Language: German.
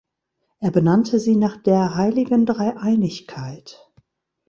Er benannte sie nach der Heiligen Dreieinigkeit.